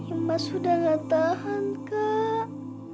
emas sudah gak tahan kak